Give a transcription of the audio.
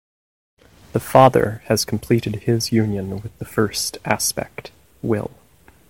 The Father has completed His union with the first aspect, will.